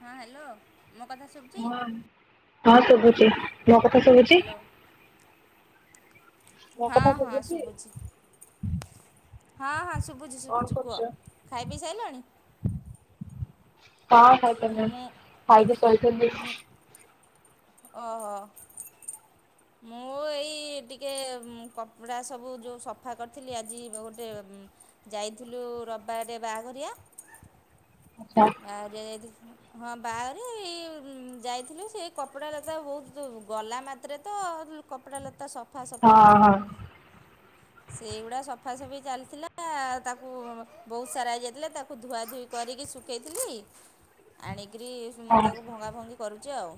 ହଁ ହ୍ୟାଲୋ ମୋ କଥା ଶୁଭୁଚି। ହଁ। ହଁ ଶୁଭୁଚି ମୋ କଥା ଶୁଭୁଚି। ହ୍ୟାଲୋ [unintelligible] ମୋ ହଁ କଥା ହଁ ଶୁଭୁଚି! ଶୁଭୁଛି ହଁ ହଁ ଶୁଭୁଛିି କଣ ଶୁଭୁଛିି କରୁଛ? କୁହ ଖାଇ ପିଇ ସାଇଲଣି? ହଁ ଖାଇସାରିଲୁନି ମୁଁ ଖାଇକି ସୋଇଥିଲି। ମୁଁ ଓହୋ। ମୁଁ ଏଇ ଟିକେ ଉଁ କପଡ଼ା ସବୁ ଯଉ ସଫା କରିଥିଲି ଆଜି ଗୋଟେ ଉଁ। ଯାଇଥିଲୁ ରବିବାରରେ ବାହାଘରିଆ। ଆଚ୍ଛା ବାହା ଘରିଆ ଯାଇଥୀ ହଁ ବାହାଘରିଆ ଏଇ ଉଁ ଯାଇଥିଲୁ ସେ କପଡ଼ାର ତ ବହୁତୁ ଗଲା ମାତ୍ରାରେ ତ ତ କପଡ଼ା ଲତା ସଫା ହଁ ସଫି। ହଁ। ସେଇଗୁଡା ସଫାସଫି ଚାଲିଥିଲା ତାକୁ ବହୁତ ସାରା ହେଇଯାଇଥିଲା ତାକୁ ଧୁଆ ଧୁଇ କ ଧୋଇକି ଶୁଖେଇଥିଲି ଆଣିକିରି ଉଁ ହଁ ତାକୁ ଭଙ୍ଗା ଭଙ୍ଗି କରୁଚି ଆଉ।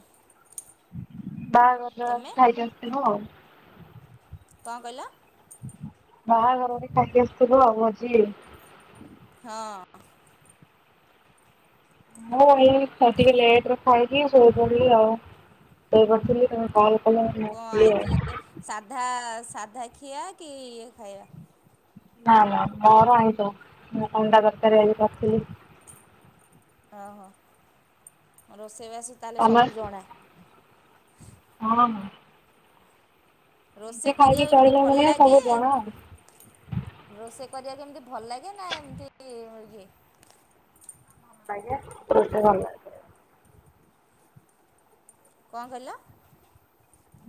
ବାହାଘରଡଲେ ତମେ ଖାଇକି ଆସିଥିବ ଆଉ। କଣ କହିଲ? ବାହାଘରରେ ଖାଇକି ଆସିଥିବ ଆଉ ଭୋଜି। ହଁ। ମୁଁ ଏଇ ହ ଟିକେ ଲେଟରେ ଖାଇକି ଶୋଇପଡିଲି ଆଉ। ସୋଇପଡିଥିଲି ତମେ କଲ୍ କଲ ମୁଁ କଣ ଉଠିଲି ଆଉ। ଆଇଁଚୁ ସାଧା ସାଧା ଖିଆ କି ଇଏ ଖାଇବା। ନା ନା ମୋର ଆଇଁଷ ମୁଁ ଅଣ୍ଡା ତରକାରୀ ଆଜିି କରିଥିଲି। ଓହୋ ରୋଷେଇବାସ ତାହେଲେ ତମେ? ସବୁ ଜଣା। ହଁ ହଁ। ନିଜେ ରୋଷେଇ ଖାଇକି କରିବାକୁ ଏମିତି ଚଳିଲା ଭଲ ଭଳିଆ ଲାଗେ। ସବୁ ଜଣା ଆଉ। ରୋଷେଇ କରିବାକୁ ଏମିତି ଭଲ ଲାଗେ ନା ଏମିତି ଇଏ? ଆଜ୍ଞା ରୋଷେଇ ଭଲ ଲାଗେ। କଣ କହିଲ?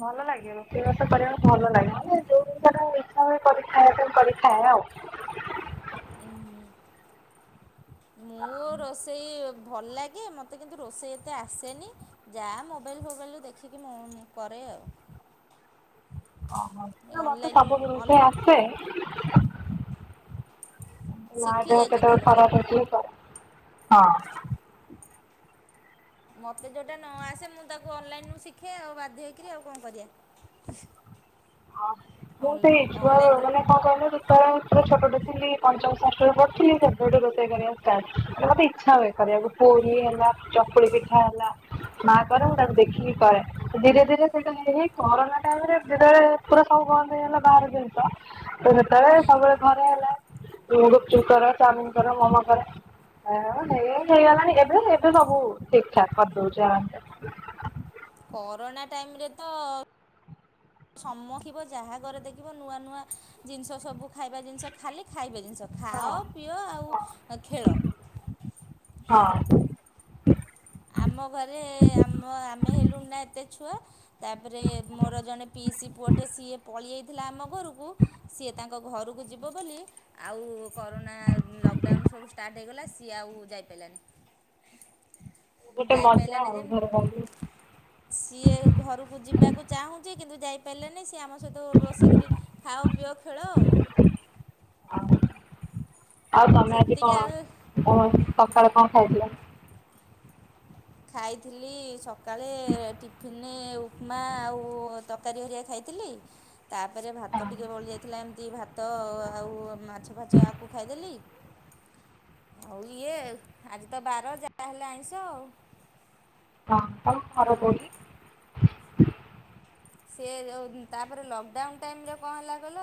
ଭଲ ଲାଗେ ରୋଷେଇବାସ କରିବାକୁ ଭଲ ଲାଗେ ମାନେ ଯୋଉ ଜିନିଷ ଟା ଇଚ୍ଛା ହୁଏ କରିକି ଖାଇବା ପାଇଁ କରିକି ଖାଏ। [unintelligible] ଉଁ ମୁଁ ରୋଷେଇ। ଭଲ ଲାଗେ ମୋତେ କିନ୍ତୁ ରୋଷେଇ ଏତେ ଆସେନି ଯାହା ମୋବାଇଲ୍ ଫୋବାଇଲରୁ ଦେଖିକି ମୁଁ କରେ। ଅ। ଓହୋ ନା ମତେ ସବୁ ଅନ୍ ରୁଷେଇ ଆସେ। ମା ଶିଖି ଦେହ ଯାଇଛ କେତେବେଳେ ତାହେଲେ ଖରାପ ସବୁ ହେଇଥିବ କରେ ହଁ। ମତେ ଯୋଉଟା ନ ଆସେ ମୁଁ ତାକୁ ଅନଲାଇନରୁ ଶିଖେ ଆଉ ବାଧ୍ୟ ହେଇକିରି ଆଉ କଣ କରିବା। ହଁ ମୁଁ ତ ଏଇ ଛୁଆ ଅନଲାଇନ୍ ମାନେ କଣ କହିଲ ଦିପା ପୁରା ଛୋଟ ଟେ ଥିଲି ପଞ୍ଚମ ଷଷ୍ଠ ରେ ପଢ଼ୁଥିଲି ସେବେଠୁ ରୋଷେଇ କରିବା ଷ୍ଟାର୍ଟ ମତେ ଇଚ୍ଛା ହୁଏ କରିବାକୁ ପୁ ପୁରୀ ହେଲା ଚକୁଳି ପିଠା ହେଲା ମା କରେ ମୁଁ ତାକୁ ଦେଖିକି କରେ ଧୀରେ ଧୀରେ ସେଇଟା ହେ ଏଇ କରୋନା ଟାଇମ ରେ ଯେତେବେଳେ। ପୁରା ସବୁ ବନ୍ଦ ହେଇଗଲା ବାହାର ଜିନିଷ ତ ସେତେବେଳେ ସବୁବେଳେ ଘରେ ହେଲା। ଉଁ ଗୁପଚୁପ କର ଚାଓମିନ କର ମୋମୋ କର। ଆ ହେଇ ହେଇଗଲାଣି ଏବେ ଏବେ ସବୁ ଠିକ ଠାକ କରିଦଉଛି ଆରାମ ସେ। କରୋନା ଟାଇମ ରେ ତ। ସମ୍ମୋଖିବ ଯାହା ଘରେ ଦେଖିବ ନୂଆ ନୂଆ ଜିନିଷ ସବୁ ଖାଇବା ଜିନିଷ ଖାଲି ଖାଇବେ। ଜିନିଷ ଖାଅ ହଁ। ପିଅ ଆଉ ଅ ଖେଳ। ହୁଁ ଆମ ଘରେ ଆମ ଆମେ ହେଲୁଣି ନା ଏତେ ଛୁଆ। ତାପରେ ମୋର ଜଣେ ପିଇସି ପୁଅଟେ ସିଏ ପଳିଆଇଥିଲା ଆମ ଘରକୁ ସିଏ ତା କ ଘରକୁ ଯିବ ବୋଲି ଆଉ କରୋନା ଲକ୍ଡାଉନ୍ ସବୁ ଷ୍ଟାର୍ଟ ହେଇଗଲା ସିଏ ଆଉ ଯାଇ ପାଇଲାନି। ଗୋଟେ ମଜା ଆଉ ଘରବନ୍ଦୀ। ସିଏ ଘରକୁ ଯିବାକୁ ଚାହୁଁଛି କିନ୍ତୁ ଯାଇ ପାଇଲାନି ସିଏ ଆମ ସହିତ ବସିକିରି ଖାଅ ପିଅ ଖେଳ ଆଉ। ଆଉ ତମେ ଆଜି ସେତିକି କଣ ଆଉ କଣ ସକାଳେ କଣ ଖାଇଥିଲ? ଖାଇଥିଲି ସକାଳେ ଟିଫନ୍ ମାନେ ଉପମା ଆଉ ତରକାରୀ ହରିଆ ଖାଇଥିଲି ତାପରେ ଭାତ ଟିକିଏ ବଳିଯାଇଥିଲା ଏମିତି ଭାତ ଆଉ ମାଛ ଫାଚ ଆକୁ ଖାଇଦେଲି। ଆଉ ଇଏ ଆଜି ତ ବାର ଯାହା ହେଲେ ଆଇଷ ଆଉ ହଁ କଣ କରର ହଁ କ [unintelligible] ସେ ତାପରେ ଲକ୍ଡାଉନ ଟାଇମରେ କଣ ହେଲା କଲ,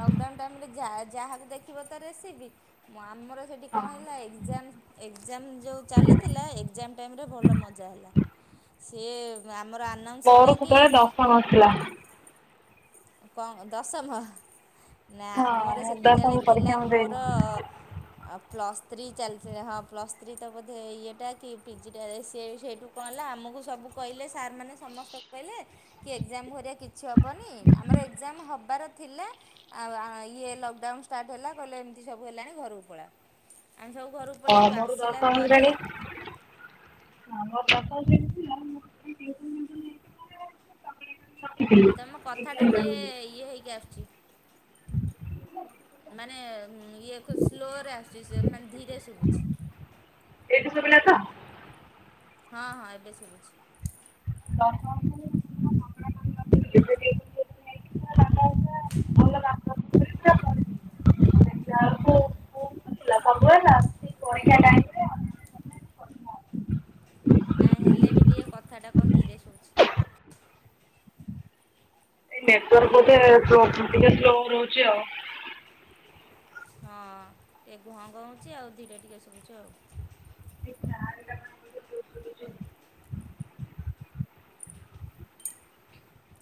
ଲକ୍ଡାଉ ଟାଇମରେ ଯାହା ଦେଖିବ ତ ରେସିପି ଆମର ସେଠି ହଁ କଣ ହେଲା ଏଜାମ, ଏକ୍ଜାମ ଯୋଉ ଚାଲିଥିଲା ଏଜାମ ଟାଇମ ରେ ଭଲ ମଜା ହେଲା, ସିଏ ଆମର ଆନାଉନ୍ସ ହେଲା କି ହେଲା। କ ଦଶମ। ନା ଆମର ହଁ ସେତିକଳେ ଦଶମ ଥିଲା ପରୀକ୍ଷା ମୁଁ ମୋର ଦେଇନି। ପ୍ଲସ୍ ଥ୍ରୀ ଚାଲିଥିଲେ, ହଁ ପ୍ଲସ୍ ଥ୍ରୀ ତ ବୋଧେ ଇଏଟା କି ପିଜିଟା ସେ ସେଇଠୁ କଣ ହେଲା ଆମକୁ ଆମକୁ ସବୁ କହିଲେ, ସାର୍ମାନେ ସମସ୍ତଙ୍କୁ କହିଲେ କି ଏକ୍ଜାମ ଭରିଆ କିଛି ହେବନି। ଆମର ଏକ୍ଜାମ୍ ହେବାର ଥିଲା ଆଉ ଇଏ ଲକ୍ଡାଉନ୍ ଷ୍ଟାର୍ଟ ହେଲା କହିଲେ ଏମିତି ସବୁ ହେଲାଣି ଘରକୁ ପଳାଅ। [inaudible] ହ ମୋର ଦଶମ ଶ୍ରେଣୀ। ଥିଲାଁ [unintelligible] ତମ କଥା ଟା ଟିକେ ଇଏ ହେଇକି ଆସୁଛି। ମାନେ, ଇଏ ସ୍ଲୋରେ ଆସୁଛି, ମାନେ ଧୀରେ ଶୁଭୁଛି ଏଠୁ ସୁଭିଲାତ? ହଁ, ହଁ, ଏବେ ଶୁଭୁଛି ଦର୍ଶନ [unintelligible] [inaudible] [unintelligible] ପରୀକ୍ଷା ଟାଇମ ରେ ନେଟୱାର୍କ [unintelligible] ନା ହେଲେ ବି ଟିକେ କଥାଟା କଣ ଧିରେ ଶୁଭୁଛି। ନେଟୱାର୍କ ବୋଧେ ଏ ନେଟ୍ ଟିକେ ସ୍ଲୋ ରହୁଛି ଆଉ ହଁ ଟିକେ ଘଂ ଘଂ ହେଉଛି ଆଉ ଧୀରେ ଟିକେ ଶୁଭୁଛି ଆଉ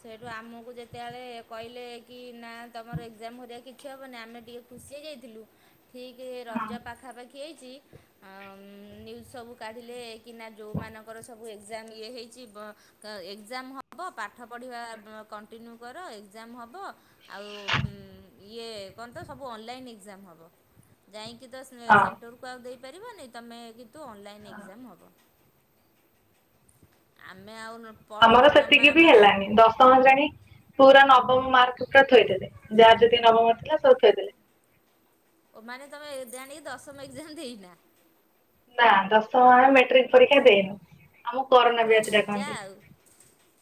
ସେଇଠୁ ଆମକୁ ଯେତେବେଳେ କହିଲେ କି -ନା ତମର ଏକଜାମ ହରିଆ କିଛି ହେବନି ଆମେ ଟିକେ ଖୁସି ହେ ଯାଇଥିଲୁ, ଠିକ ରଜ ହଁ ପାଖାପାଖି ହେଇଛି ନ୍ୟୁଜ୍ ସବୁ କା ଟିଲେ କିନା ଯଉମାନଙ୍କର ସବୁ ଏଜାମ ଇଏ ହେଇଛି, ଏକଜାମ ହେବ ପା ପାଠ ପଢ଼ିବା କଣ୍ଟିନ୍ୟୁ କର, ଏକଜାମ୍ ହବ ଆଉ ଇଏ, କଣନ୍ତ ସବୁ ଅନଲାଇନ୍ ଏକଜାମ ହେବ, ଯାଇକି କି ତ ହଁ ସେଣ୍ଟରକୁ ଆଉ ଦେଇପାରିବନି, ତୁମେ କିନ୍ତୁ ଅନଲାଇନ୍ ଏକଜାମ ହେବ। ଆମେ ଆଉ ଆମର ପଢ଼ିନୁ ଜମା ସେତିକି ବି ମାସ ହେଲାନି ଦଶମ୍ ଜାଣି ପୁରା ନବମ ମାର୍କ ପା ଥୋଇଦେଲେ ଯାହା ଯେତିକି ନବମ ଥିଲା ସବୁ ଥୋଇଥିଲେ। ଓ ମାନେ ତୁମେ ଜାଣିକି, ଦଶମ ଏକଜାମ ଦେଇନା ନା ଦଶମ, ଆମେ ମେଟ୍ରିକ ପରୀକ୍ଷା ଦେଇନୁ। ଆମକୁ ଆଉ କରୋନା ପୁରା ବ୍ୟାଚ ମଜା ଡାକନ୍ତି ଆଉ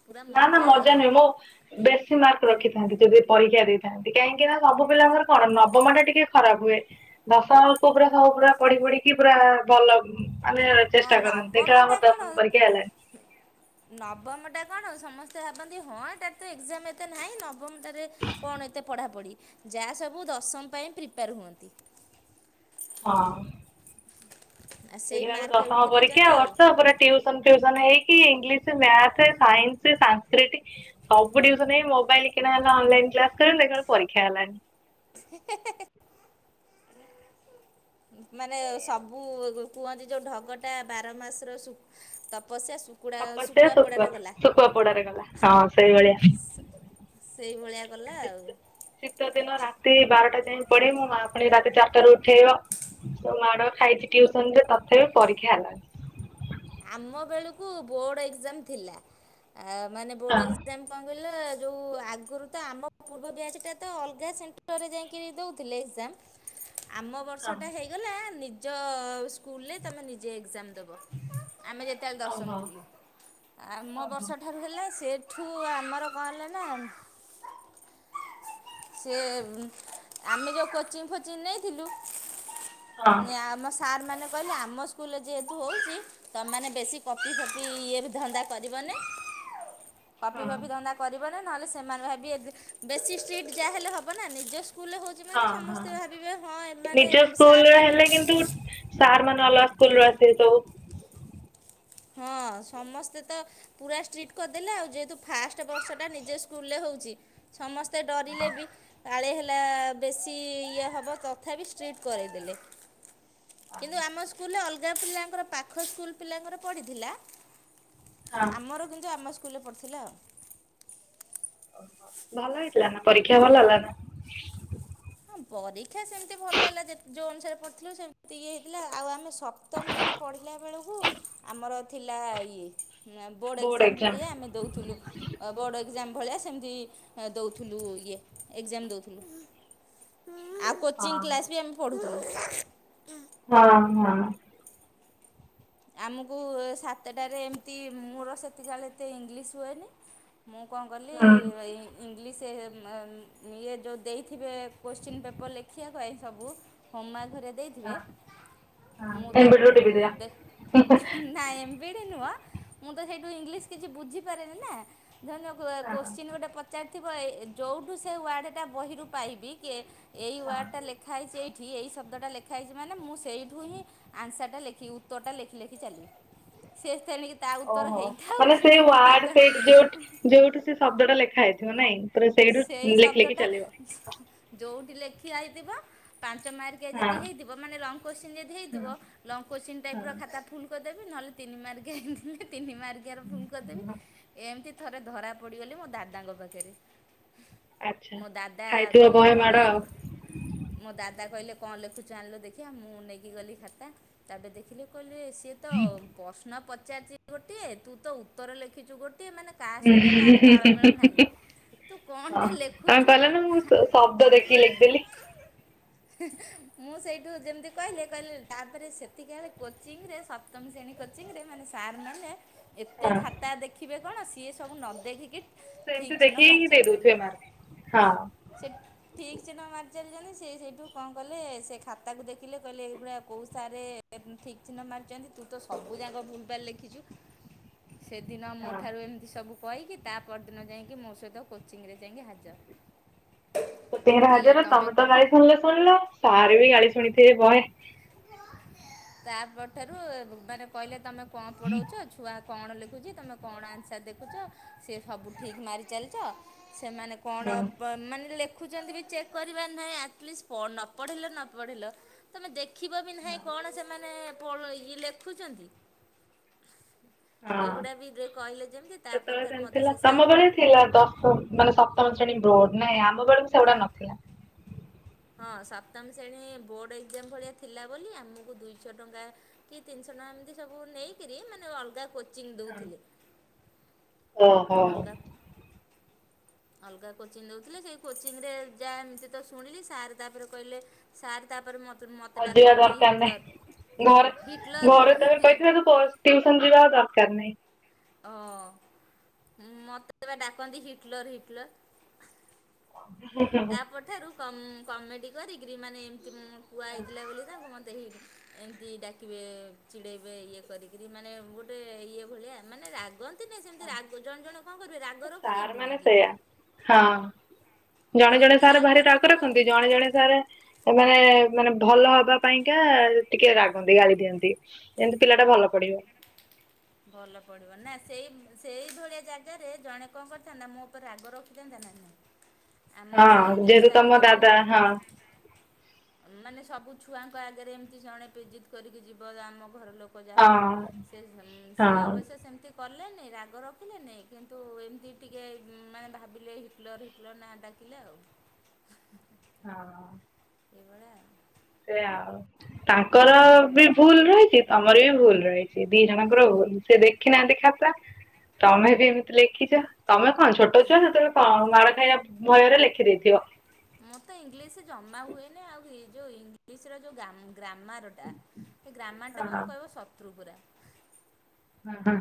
ପୁରା ନା ନା ଆଉ। ମଜା ନୁହେଁ ମୁଁ ବେଶୀ ମାର୍କ ରଖିଥାନ୍ତି, ଯଦି ପରୀକ୍ଷା ଦେଇଥାନ୍ତି, କାହିଁକି ନା ସବୁ ପିଲାଙ୍କର କଣ ନବମ ଟା ଟିକେ ଖରାପ ହୁଏ, ଦ ଶମକୁ ପୁରା ସବୁ ପୁରା ପଢି ପଢିକି ପୁରା ଭଲ ମାନେ ହଁ ଚେଷ୍ଟା କରନ୍ତି ଦେଖିଲା ନବମଟା ଆମର କଣ ଦଶମ ପରୀକ୍ଷା ହେଲାଣି। ନବମଟା କଣ ସମସ୍ତେ ଭାବନ୍ତି, ହଁ ଏଟା ତ ଏକଜାମ ଏତେ ନାହିଁ, ନବମଟାରେ କଣ ଏତେ ପଢ଼ାପଢ଼ି ଯାହା ସବୁ ଦଶମ ପାଇଁ ପ୍ରିପେୟାର ହୁଅନ୍ତି। ହଁ ଆଉ ସେଇ ଦେଖିଲା ବେଳୁ ମାର୍କ ଦଶମ ଉଠେଇ ପରୀକ୍ଷା ଦେଇଛନ୍ତି ଆଉ ବର୍ଷ ପରେ ଟଉସନ ଫ୍ୟୁସନ ହେଇକି ଇଂଲିଶ, ମ୍ୟାଥ ସାଇନ୍ସ, ସାଂସ୍କ୍ରିଟ ସବୁ ଟିଉସନ ହେଇ, ମୋବାଇଲ କିଣା ହେଲା, ଅନଲାଇନ୍ ଦେଖୁ ପରୀକ୍ଷା ହେଲାଣି। ମାନେ ସବୁ କୁହନ୍ତି, ଯୋଉ ଢଗଟା ବାର ମାସର ସୁ ତପସା ଶୁଖଆ ଶୁଖୁଆ ପୋଡାରେ ଗଲା, ହଁ ସେଇଭଳିଆ ସେଇଭଳିଆ ଗଲା ଶୀତ ଆଉ। ଶୀତ ଦିନ ରାତି ବାରଟା ଯାଏଁ ପଢେଇ ମୋ ମା ପୁଣି ରାତି ଚାରିଟାରେ ଉଠେଇବ ଯଉ ମାଡ ଖାଇଚି ଟଉସନରେ ତଥାପି ପରୀକ୍ଷା ହେଲାନି। [inaudible] ଆମ ବେଳକୁ ବୋର୍ଡ ଏକଜାମ ଥିଲା ଏଁ ମାନେ ହଁ ବୋର୍ଡ ଏକଜାମ କଣ କହିଲେ ହେଲେ ଯଉ ଆଗରୁ ତ ଆମ ପୂର୍ବ ବ୍ୟାଚ ଟା ତ ଅଲଗା ସେଣ୍ଟରରେ ଯାଇକି ଦେଉଥିଲେ ଏକଜାମ ଆମ ହଁ ବର୍ଷଟା ହେଇଗଲା ନିଜ ସ୍କୁଲରେ ତମେ ନିଜେ ଏକଜାମ ଦେବ। ଆମେ ଯେତେବେଳେ ଦଶମ ଓହୋ ଥିଲୁ ଆମୋ ଓହୋ ବର୍ଷଠାରୁ ହେଲେ ସେ ଠୁ ଆମର କଣ ହେଲା ନା ସେ ଆମେ ଯଉଁ କୋଚିଂ ଫୋଚିଂ ନେଇଥିଲୁ ହଁ ଆମ ସାର୍ ମାନେ କହିଲେ ଆମ ସ୍କୁଲରେ ଯେହେତୁ ହଉଚି ତମାନେ ବେଶୀ କପି ଫପି ଇଏ ବି ଧନ୍ଦା କରିବ ନାଇ। କପି ହଁ। ଫପି ଧନ୍ଦା କରିବନି। ନହେଲେ ସେମାନେ ଭାବିବେ ବେଶୀ ଷ୍ଟ୍ରିଟ୍ ଯାହାଲେ ହବ ନା ନିଜ ସ୍କୁଲରେ ହଉଚି ମାନେ ହଁ ହଁ ସମସ୍ତେ ଭାବିବେ ହଁ ଏମାନେ ନିଜ ସାର୍ ସ୍କୁଲରେ ମାନେ ସ୍କୁଲରୁୁ ଆସିବେ ସବୁ ହଁ ସମସ୍ତେ ତ ପୁରା ଷ୍ଟ୍ରିଟ କରିଦେଲେ ଆଉ ଯେହେତୁ ଫାଷ୍ଟ ବର୍ଷଟା ନିଜ ସ୍ଲୁଲରେ ହଉ ଊଚି ସମସ୍ତେ ଡରିଲେ ହଁ ବି। କାଳେ ହେଲା ବେଶୀ ଇଏ ହେବ ତଥାପି ଷ୍ଟ୍ରିଟ୍ କରେଇଦେଲେ। କିନ୍ତୁ ଆମ ସ୍କୁଲରେ ଅଲଗା ପିଲାଙ୍କର ପାଖ ସ୍କୁଲ ପିଲାଙ୍କର ପଡିଥିଲା। ହଁ ଆମର କିନ୍ତୁ ଆମ ସ୍କୁଲରେ ପଢ଼ିଥିଲା ଆଉ। ଭଲ ହେଇଥିଲା ନା ପରୀକ୍ଷା ଭଲ ହେଲା ନା? ହଁ ପରୀକ୍ଷା ସେମିତି ଭଲ ହେଲା ଯେ ଯୋଉ ଅନୁସାରେ ପଢଥିଲୁ ସେମିତି ଇଏ ହେଇଥିଲା ଆଉ ଆମେ ସପ୍ତମରେ ବି ପଢ଼ିଲା ବେଳକୁ ଆମର ଥିଲା ଇଏ ବୋର୍ଡ଼ ଏକ୍ଜାମ ଭଳିଆ ଆମ ଦଉଥିଲୁ ବୋର୍ଡ ଏକ୍ସାମ୍ ଭଳିଆ ସେମିତି ଦଉଥିଲୁ ଇଏ ଏକ୍ଜାମ ଦଉଥିଲୁ। ଆଉ କୋଚିଂ ହଁ କ୍ଲାସ ବି ଆମେ ପଢୁଥିଲୁ। ହଁ ହଁ। ଆମକୁ ସାତଟାରେ ଏମିତି ମୋର ସେତିକା ବେଳେ ଏତେ ଇଂଲିଶ ହୁଏନି। ମୁଁ କଣ କଲି ର ଇଂଲିଶ ସେ ଇଏ ଯେଉ ଦେଇଥିବେ କୋଶ୍ଚିନ୍ ପେପର୍ ଲେଖିବା ପାଇଁ ସବୁ ହୋମାର୍କ ଥରେ ଦେଇଥିବେ, ହଁ ମୁଁ ହଁ ତାକୁ ଏବେଠୁ ଟିପିଦିଅ ନାଇଁ ଏମ୍ ବି ଡି ନୁଅ ମୁଁ ତ ସେଇଠୁ ଇଂଲିଶ କିଛି ବୁଝି ପାରେନି ନା ଧରିନିଅ ହଁ କୋତ୍ସେନ୍ ଗୋଟେ ପ ପଚାରିଥିବ ଏଇ ଯଉଠୁ ସେ ୱାର୍ଡ଼ଟା ବହିରୁ ପାଇବି କି ଏଇ ହଁ। ୱାର୍ଡ଼ଟା ଲେଖା ହେଇଚି ଚି ଏଇ ଶବ୍ଦଟା ଲେଖା ହେଇଚି ମାନେ ମୁଁ ସେଇଠୁହିଁ ଆନ୍ସାର୍ ଲେଖି ଉତ୍ତରଟା ଲେଖ ଲେଖି ଚାଲିଲି ସେ ତେଣିକି ତା ଉତ୍ତର ଓହୋ ହେଇଥାଉ ମାନେ କି ନ ସେଇ ୱାର୍ଡ ହେଇଥାଉ ସେଇଠି ଯୋଉଠି ଯୋଉଠୁ ସେ ଶବ୍ଦ ଟା ଲେଖା ହେଇଥିବ ନାଇଁ। ପୁରା ସେଇଠୁ ସେଇ ଲେଖି ଶବ୍ଦ ଲେଖି ଟା ଚାଲିବ ଯୋଉଠି ଲେଖା ହେଇଥିବ ପାଞ୍ଚ ମାର୍କିଆ ହଁ। ଯଦି ହେଇଥିବ ମାନେ ଲଙ୍କ କୋତ୍ସିନ ଯଦି ହଁ ହେଇଥିବ ଲଙ୍କ କୋତ୍ସିନ୍ ଟାଇପର ଖାତା ଫୁଲ କରିଦେବି ନହେଲେ ତିନି ମାର୍କିଆ ହେଇଥିଲେ ତିନି ମର୍କିଆର ଫୁଲ୍ ହଁ। କରିଦବି ଏମତି ଥରେ ଧରା ପଡିଗଲି ମୋ ଦାଦାଙ୍କ ପାଖରେ। ଆଚ୍ଛା ମୋ ଦାଦା ଖାଇଥିବ କହିଲେ ବହେ କଣ ମାଡ ଆଉ। ଲେଖୁ ମୋ ଦାଦା କହିଲେ କଣ ଲେଖୁଚୁ ଆଣିଲୁ ଦେଖିବା ମୁଁ ନେଇକି ଗଲି ଖାତା ତାପରେ ଦେଖିଲେ କହିଲେ ସିଏ ତ ପ୍ରଶ୍ନ ପଚାରିଚି ଗୋଟିଏ ତୁ ତ ଉତ୍ତର ଲେଖିଚୁ ଗୋଟେ। ଗୋଟିଏ ମାନେ କାହା ସହିତ କାହାର ତାଳମେଳ ନାହିଁ। ତୁ ହଁ କ'ଣଟା ତମେ ଲେଖୁଛୁ କହିଲନି ମୁଁ ଶ - ଶବ୍ଦ ଦେଖିକି ଲେଖିଦେଲି। ମୁଁ ସେଇଠୁ ଯେମିତି କହିଲେ କହିଲେ ତାପରେ ସେତିକା ବେଳେ କୋଚିଂରେ ସପ୍ତମ ଶ୍ରେଣୀ କୋଚିଂରେ ମାନେ ସାର୍ ନହେଲେ ଏତେ ହଁ ଖାତା ଦେଖିବେ କଣ ସିଏ ସବୁ ନ ଦେଖିକି ଠିକ୍ ସେମିତି ଚିହ୍ନ ଦେଖିକ ମାରି ହିଁ ଦେଇ ଚାଲିଛନ୍ତି ଦଉଥିବେ ମାର୍କ? ସେ ହଁ। ଠିକ୍ ଚିହ୍ନ ମାରି ଚାଲିଚନ୍ତି ସେ ସେଇଠୁ କଣ କଲେ ସେ ଖାତାକୁ ଦେଖିଲେ କହିଲେ ଏଗୁଡା କୋଉ ସାରେ ଠିକ୍ ଚିହ୍ନ ମାରିଛନ୍ତି। ତୁ ତ ସବୁ ଯାକ ଭୁଲଭାଲ ଲେଖିଛୁ। ସେଦିନ ମୋ ହଁ। ଠାରୁ ଏମିତି ସବୁ କହିକି ତା ପରଦିନ ଯାଇକି ମୋ ସହିତ କୋଚିଂରେ ଯାଇକି ହାଜର। [unintelligible] କି ତମେ ତ କହ ଗାଳି ଶୁଣିଲ ଶୁଣିଲ ସାର୍ ବି ଗାଳି ଶୁଣିଥିବେ ବହେ। ତା ପରଠାରୁ ମାନେ କହିଲେ ତମେ କଣ ପଢ଼ୋଉଛ ଛୁଆ କଣ ଲେଖୁଛି ତୁମେ କଣ ଆନ୍ସର ଦେଖୁଛ। ସେ ସବୁ ଠିକ୍ ମାରିଚାଲିଛ। ସେମାନେ କଣ ହଁ [unintelligible] ଦେଖୁଛନ୍ତି ବି ଚେକ୍ କରିବାର ନାହିଁ। ଆଟଲିଷ୍ଟ ନ ପଢ଼ିଲ ନ ପଢ଼ିଲ ତମେ ଦେଖ ଲେଖିବ ବି ନାହିଁ କଣ ସେମାନେ ଇଏ ଲେଖୁଛନ୍ତି। ହଁ ଏଗୁଡ଼ା ବି ଦେ- କହିଲେ ଯେମିତି ସେତେବେଳେ ତାପରଠାରୁ ସେମତି ମୋତେ ଥିଲା ସେ ସାର୍ ତମ ବେଳେ ଥିଲା ଦଶ ମାନେ ସପ୍ତମ ଶ୍ରେଣୀ ବ୍ରୋଡ ନାଇଁ ଆମ ବେଳକୁ ସେଗୁଡା ନଥିଲା। ହଁ ସପ୍ତମ ଶ୍ରେଣୀ ବୋର୍ଡ଼ ଏକ୍ଜାମ ଭଳିଆ ଥିଲା ବୋଲି ଆମକୁ ଦୁଇଶହ ଟଙ୍କା କି ତିନିଶହ ଟଙ୍କା ଏମିତି ସବୁ ନେଇକିରି ମାନେ ଅଲଗା କୋଚିଂ ଦଉଥିଲେ। ଓ ହୋ। ଅଲଗା କୋଚିଂ ଦଉଥିଲେ ସେଇ କୋଚିଂରେ ଯାଏ ଏମିତି ତ ଶୁଣିଲି ସାର୍ ତାପରେ କହିଲେ ସାର୍ ତାପରେ ମତେ ମତେ ଆଉ ଯିବା ଡାକନ୍ତି ଦରକାର ନାହିଁ ହିଟଲର। ଘରେ ହିଟଲର ଘରେ [unintelligible] ଟିଉସନ ଯିବା ଦରକାର ନାହିଁ। ଅ ମତେ ବା ଡାକନ୍ତି ହିଟଲର, ହିଟଲର। ତାପଠାରୁ କମେଡି କରିକିରି ମାନେ ଏମତି କୁହା ହେଇଥିଲା ବୋଲି ତାଙ୍କୁ ମତେ ଏମିତି ଡାକିବେ ଚିଡ଼େଇବେ ଇଏ କରିକିରି ମାନେ ଗୋଟେ ଇଏ ଭଳିଆ ମାନେ ରାଗନ୍ତି ନାଇଁ ସେମିତି ରାଗ ଜଣେ ଜଣ କଣ କରିବେ ରାଗ ସାର୍ ରଖିଦିଅନ୍ତି ମାନେ ନେଇଁ କି। ସେଇଆ ହଁ ଜଣେ ଜଣେ ସେମିତି ସାର୍ ରାଗ ଭାରି [unintelligible] ରଖିଲେନି ରଖନ୍ତି ଜଣେ ଜଣେ ସାର୍ ମାନେ ମାନେ ଭଲ ହବା ପାଇଁକା ଟିକେ ରାଗନ୍ତି ଗାଳି ଦିଅନ୍ତି। ପିଲା ଟା ଭଲ ପଢିବ ଭଲ ପଡିବ ନା ସେଇ ସେଇ ଭଳିଆ ଜାଗା ରେ ଜଣେ କଣ କରିଥାନ୍ତା ମୋ ଉପରେ ରାଗ ରଖିଥାନ୍ତା ନାଁ ନାଇଁ। ହଁ ଯେହେତୁ ତମ ଦାଦା ହଁ ମାନେ ସବୁ ଛୁଆଙ୍କ ଆଗରେ ଏମିତି ଜଣେ ବେଜିତ କରିକି ଯିବ ଆମ ଘର ଲୋକ ହଁ ଯାହେଲେ ସିଏ ହଁ ଅବଶ୍ୟ ସେମିତି କ କଲେନି ରାଗ ରଖିଲେନି କିନ୍ତୁ ଏମିତି ଟିକେ ମାନେ ଭାବିଲେ ହିଟଲର ହିଟଲର ନା ଡାକି ଡାକିଲେ ଆଉ ହଁ। ସେଇ ଭଳିଆ ଆଉ। ସେ ଆଉ ତାଙ୍କର ବି ଭୁଲ ରହିଛି। ତମର ବି ଭୁଲ ରହିଛି। ସେ ଦି ଜଣଙ୍କର ସେ ଦେଖିନାହାନ୍ତି ଖାତା ତମେ ବି ଏମିତି ଲେଖିଛ। ତମେ କଣ ଛୋଟ ଛୁଆ ସେତେବେଳେ କ ମାଡ଼ ଖାଇବା ଭୟରେ ଲେଖିଦେଇଥିବ। ମୁଁ ତ ଇଂଲିଶ ଜମା ହୁଏନି। ଆଉ ଯୋଉଁ ଇଂଲିଶ ର ଯୋଉଁ ଗ୍ରା ଗ୍ରାମାରଟା ଏ ହଁ ଗ୍ରାମାରଟା ହଁ ମୋର କହିବ ଶତ୍ରୁ ପୁରା। ହ ହ